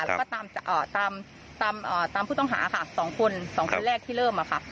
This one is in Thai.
แล้วก็ตามตามตามตามผู้ต้องหาค่ะสองคนสองคนแรกที่เริ่มอะค่ะ